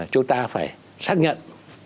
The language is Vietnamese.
chúng ta phải xác nhận